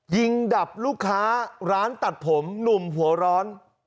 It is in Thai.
ดับลูกค้าร้านตัดผมหนุ่มหัวร้อน